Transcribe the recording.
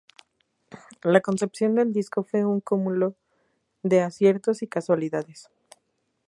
La concepción del disco fue un cúmulo de aciertos y casualidades.